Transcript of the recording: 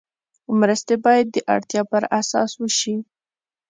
مرستې باید د اړتیا پر اساس وشي.